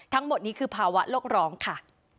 ทั้งหมดนี้คือภาวะโลกร้องค่ะ